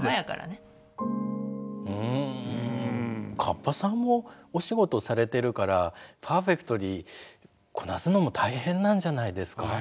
うんカッパさんもお仕事されてるからパーフェクトにこなすのも大変なんじゃないですか？